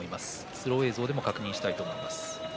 スロー映像でも確認したいと思います。